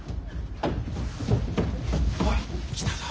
・おい来たぞ。